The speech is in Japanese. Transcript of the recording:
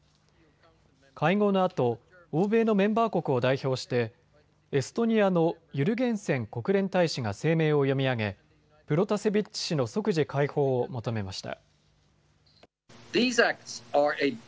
会合のあと、欧米のメンバー国を代表してエストニアのユルゲンセン国連大使が声明を読み上げプロタセビッチ氏の即時解放を求めました。